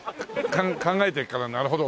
考えてから「なるほど！」